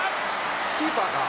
「キーパーか」